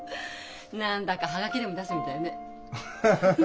何だか葉書でも出すみたいね。